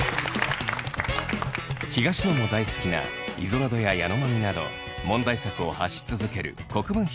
東野も大好きな「イゾラド」や「ヤノマミ」など問題作を発し続ける国分拓